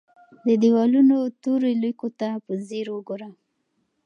د دیوالونو تورو لیکو ته په ځیر وګوره.